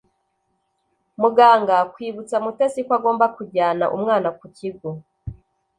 muganga kwibutsa Mutesi ko agomba kujyana umwana ku kigo